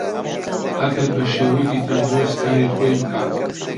ئەگەر بەشێوەیەکی تەندروست کاری خۆی بکات